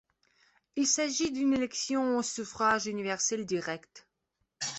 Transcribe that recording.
Il s'agit d'une élection au suffrage universel direct.